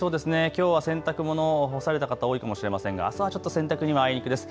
きょうは洗濯物を干された方多いかもしれませんがあすはちょっと洗濯にはあいにくです。